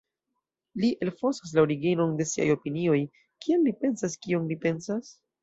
Li elfosas la originon de siaj opinioj: “kial li pensas kion li pensas?